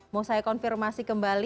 mau saya konfirmasi kembali